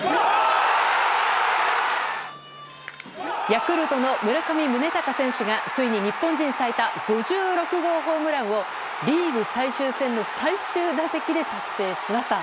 ヤクルトの村上宗隆選手がついに日本人最多５６号ホームランをリーグ最終戦の最終打席で達成しました。